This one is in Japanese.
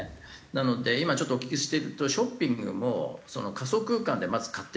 なので今ちょっとお聞きしてるとショッピングでも仮想空間でまず買ってみて。